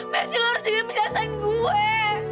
mer sih lu harus denger perasaan gue